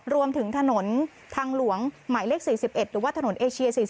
รวมถึงถนนทางหลวงหมายเลข๔๑หรือว่าถนนเอเชีย๔๔